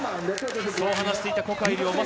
そう話していた谷愛凌。